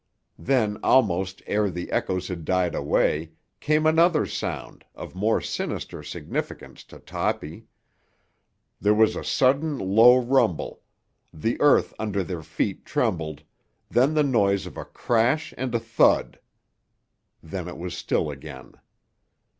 Then, almost ere the echoes had died away, came another sound, of more sinister significance to Toppy. There was a sudden low rumble; the earth under their feet trembled; then the noise of a crash and a thud. Then it was still again.